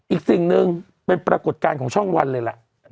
อีกสิ่งหนึ่งเป็นปรากฏการณ์ของช่องวันเลยล่ะ